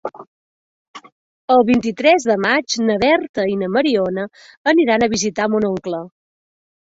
El vint-i-tres de maig na Berta i na Mariona aniran a visitar mon oncle.